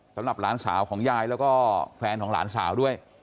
สำหรับหลานสาวของยายแล้วก็แฟนของหลานสาวด้วย